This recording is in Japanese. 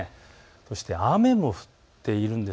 そして雨も降っているんです。